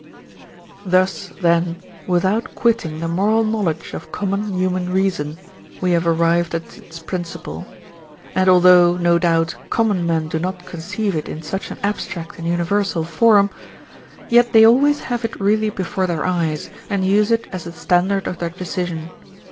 Thus, then, without quitting the moral knowledge of common human reason, we have arrived at its principle. And although, no doubt, common men do not conceive it in such an abstract and universal form, yet they always have it really before their eyes and use it as the standard of their decision.